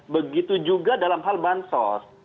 begitu juga dalam hal bansos